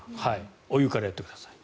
お湯からやってください。